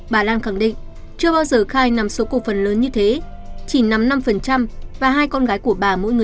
bà lan khẳng định chưa bao giờ khai nằm số cổ phần lớn như thế chỉ nắm năm và hai con gái của bà mỗi người